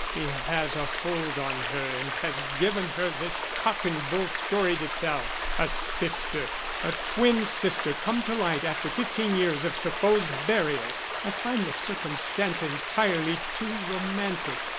He has a hold on her and has given her this cock and bull story to tell. A sister! A twin sister come to light after fifteen years of supposed burial! I find the circumstance entirely too romantic.